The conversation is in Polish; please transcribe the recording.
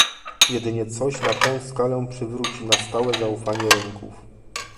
Jedynie coś na tę skalę przywróci na stałe zaufanie rynków